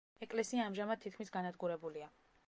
ეკლესია ამჟამად თითქმის განადგურებულია.